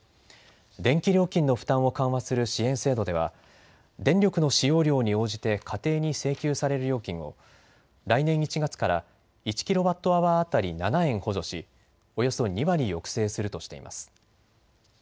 電気料金の負担を緩和する支援制度では電力の使用量に応じて家庭に請求される料金を来年１月から１キロワットアワー当たり７円補助しおよそ２割抑制するとしています。